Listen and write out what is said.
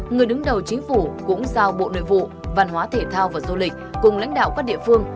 người đứng đầu chính phủ cũng giao bộ nội vụ văn hóa thể thao và du lịch cùng lãnh đạo các địa phương